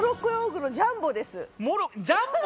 ジャンボ⁉